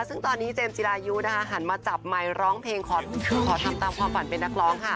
ซึ่งตอนนี้เจมส์จิรายุหันมาจับไมค์ร้องเพลงขอทำตามความฝันเป็นนักร้องค่ะ